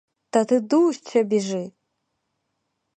Та ти дужче біжи.